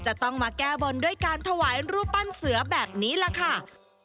จะต้องมาแก้บนด้วยการถวายรูปปั้นเสือแบบนี้ล่ะค่ะ